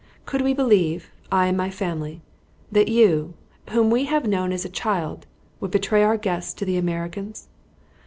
Could we believe, I and my family, that you, whom we have known as a child, would betray our guests to the Americans?